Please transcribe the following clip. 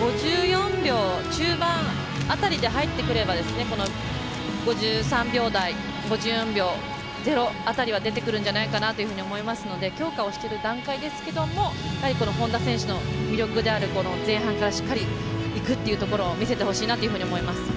５４秒、中盤辺りで入ってくれば、５３秒台５４秒０辺りが出てくるんじゃないかなと思いますので強化をしている段階ですけども本多選手の魅力である前半からしっかりいくっていうところを見せてほしいなと思います。